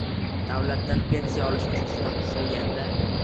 Davlatdan pensiya olish uchun shunaqa qilgan-da